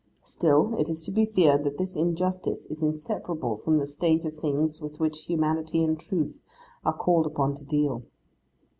Still, it is to be feared that this injustice is inseparable from the state of things with which humanity and truth are called upon to deal.